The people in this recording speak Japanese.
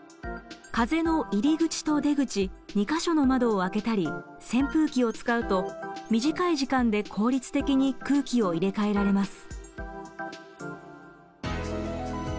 風の入り口と出口２か所の窓を開けたり扇風機を使うと短い時間で効率的に空気を入れ替えられます。